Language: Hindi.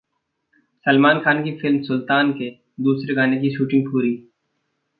सलमान खान की फिल्म 'सुल्तान' के दूसरे गाने की शूटिंग पूरी